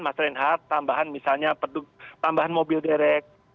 mas reinhardt tambahan misalnya perlu tambahan mobil direct